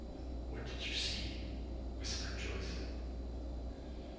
"What did you see?" whispered Joyce.